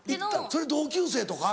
それ同級生とか？